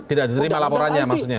tidak diterima laporannya maksudnya